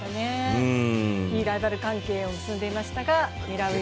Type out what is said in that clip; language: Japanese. いいライバル関係を結んでいましたが。